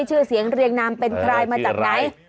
ชื่อเหรียญนามเป็นใครมาจากไหน